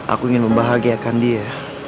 aku ingin membahagiakan dia